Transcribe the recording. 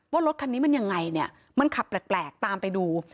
รถคันนี้มันยังไงเนี่ยมันขับแปลกตามไปดู